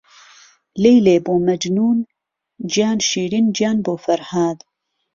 لهیلێ بۆ مهجنوون، گیان شیرین گیان بۆ فهرهاد